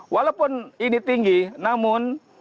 walaupun ini tinggi namun